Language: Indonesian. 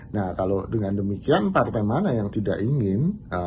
nah kalau dengan demikian partai mana yang tidak ingin